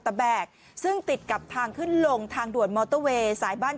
แบกซึ่งติดกับทางขึ้นลงทางด่วนมอเตอร์เวย์สายบ้าน